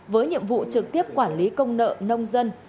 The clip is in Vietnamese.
với nhiệm vụ trực tiếp quản lý công nợ nông dân